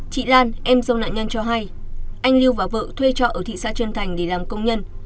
chị lan em dông nạn nhân cho hay anh lưu và vợ thuê trọ ở thị xã trân thành để làm công nhân